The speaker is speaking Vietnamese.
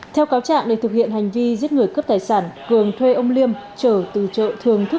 theo cáo trạng để thực hiện hành vi giết người cướp tài sản cường thuê ông liêm trở từ chợ thường thức